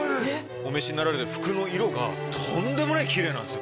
お召しになられてる服の色がとんでもない奇麗なんですよ。